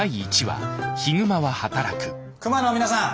熊の皆さん